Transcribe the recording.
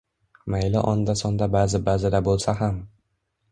Mayli onda-sonda baʼzi-baʼzida bo‘lsa ham.